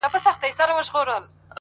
په زلفو ورا مه كوه مړ به مي كړې،